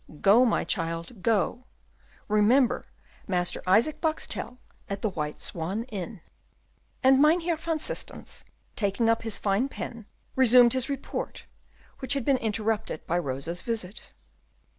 Go, my child, go, remember, Master Isaac Boxtel at the White Swan Inn." And Mynheer van Systens, taking up his fine pen, resumed his report, which had been interrupted by Rosa's visit.